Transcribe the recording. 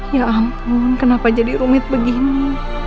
ya ampun kenapa jadi rumit begini